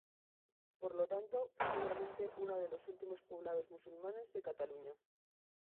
Por lo tanto, fue seguramente una de los últimos poblados musulmanes de Cataluña.